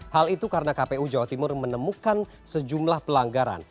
hal itu karena kpu jawa timur menemukan sejumlah pelanggaran